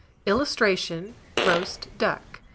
[Illustration: ROAST DUCK.